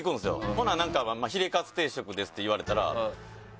ほななんか「ヒレカツ定食です」って言われたら。